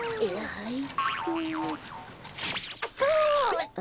はい！